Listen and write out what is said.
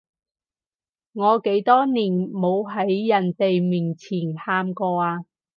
我幾多年冇喺人哋面前喊過啊